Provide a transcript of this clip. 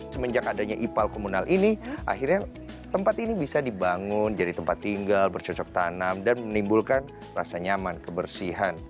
semenjak adanya ipal komunal ini akhirnya tempat ini bisa dibangun jadi tempat tinggal bercocok tanam dan menimbulkan rasa nyaman kebersihan